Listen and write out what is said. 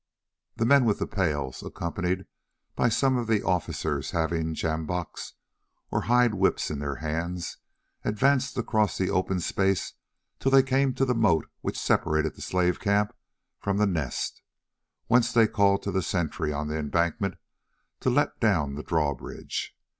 The men with the pails, accompanied by some of the officers having sjambochs or hide whips in their hands, advanced across the open space till they came to the moat which separated the slave camp from the Nest, whence they called to the sentry on the embankment to let down the drawbridge.